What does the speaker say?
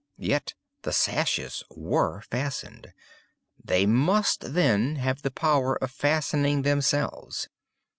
Yet the sashes were fastened. They must, then, have the power of fastening themselves.